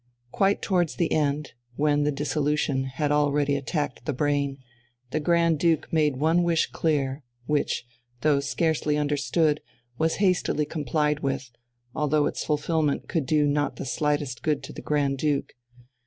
Quite towards the end, when the dissolution had already attacked the brain, the Grand Duke made one wish clear, which, though scarcely understood, was hastily complied with, although its fulfilment could not do the slightest good to the Grand Duke.